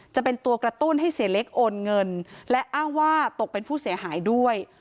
จะเป็นตัวกระตุ้นให้เสียเล็กโอนเงินและอ้างว่าตกเป็นผู้เสียหายด้วย